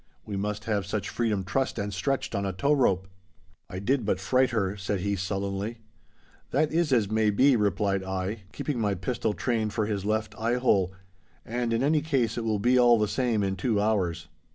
We must have such freedom trussed and stretched on a tow rope.' 'I did but fright her,' said he, sullenly. 'That is as may be,' replied I, keeping my pistol trained for his left eye hole, 'and in any case it will be all the same in two hours.